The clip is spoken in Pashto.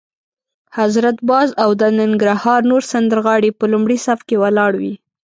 حضرت باز او د ننګرهار نور سندرغاړي به په لومړي صف کې ولاړ وي.